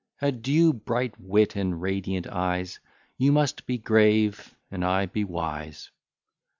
Adieu! bright wit, and radiant eyes! You must be grave and I be wise.